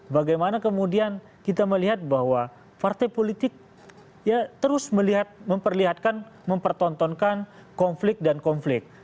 bagaimana kemudian kita melihat bahwa partai politik ya terus memperlihatkan mempertontonkan konflik dan konflik